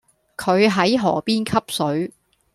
佢係河邊吸水